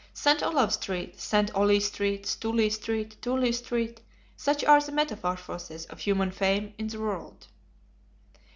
Saint Olave Street, Saint Oley Street, Stooley Street, Tooley Street; such are the metamorphoses of human fame in the world!